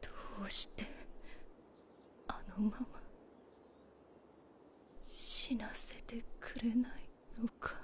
どうしてあのまま死なせてくれないのか。